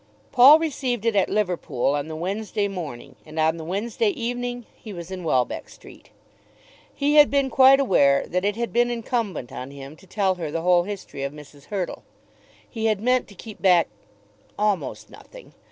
Paul received it at Liverpool on the Wednesday morning, and on the Wednesday evening he was in Welbeck Street. He had been quite aware that it had been incumbent on him to tell her the whole history of Mrs. Hurtle. He had meant to keep back almost nothing.